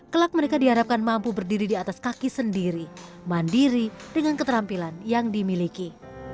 kelak mereka diharapkan mampu berdiri di atas kaki sendiri mandiri dengan keterampilan yang dimiliki